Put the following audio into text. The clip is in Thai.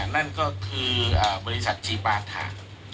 นั่นก็คือบริษัทจีปาถา